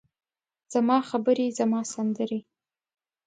زما خبرې، زما سندرې،